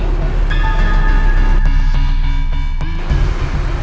nggak ada apa apa